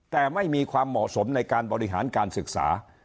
แต่ไม่มีความเหมาะสมในการบริหารการศึกษา